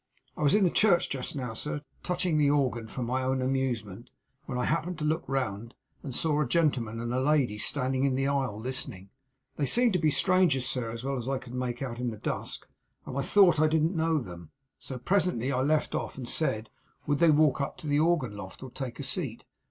I was in the church just now, sir, touching the organ for my own amusement, when I happened to look round, and saw a gentleman and lady standing in the aisle listening. They seemed to be strangers, sir, as well as I could make out in the dusk; and I thought I didn't know them; so presently I left off, and said, would they walk up into the organ loft, or take a seat?